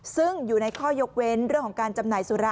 ซึ่งอยู่ในข้อยกเว้นเรื่องของการจำหน่ายสุระ